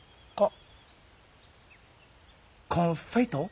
コンフェイト？